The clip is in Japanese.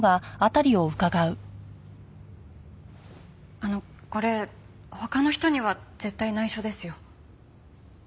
あのこれ他の人には絶対内緒ですよ。